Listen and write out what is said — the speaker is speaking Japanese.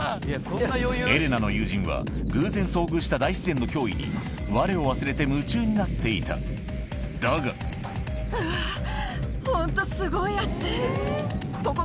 エレナの友人は偶然遭遇した大自然の驚異にわれを忘れて夢中になっていただがあぁホント。